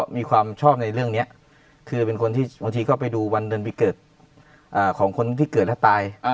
มีความชอบในเรื่องนี้คือเป็นคนที่บางทีก็ไปดูวันเดือนปีเกิดของคนที่เกิดแล้วตาย